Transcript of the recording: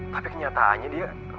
tapi kenyataannya dia